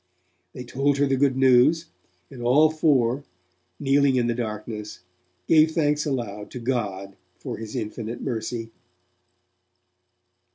They told her the good news, and all four, kneeling in the darkness, gave thanks aloud to God for his infinite mercy.